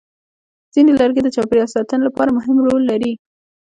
ځینې لرګي د چاپېریال ساتنې لپاره مهم رول لري.